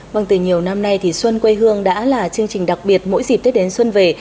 vâng từ nhiều năm nay thì xuân quê hương đã là chương trình đặc biệt mỗi dịp tết đến xuân về